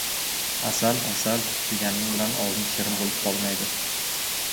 • «Asal, asal» deganing bilan og‘zing shirin bo‘lib qolmaydi.